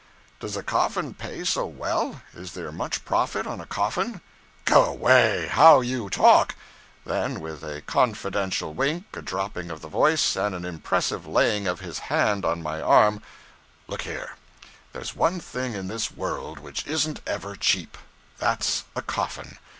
'Does a coffin pay so well. Is there much profit on a coffin?' 'Go way! How you talk!' Then, with a confidential wink, a dropping of the voice, and an impressive laying of his hand on my arm; 'Look here; there's one thing in this world which isn't ever cheap. That's a coffin.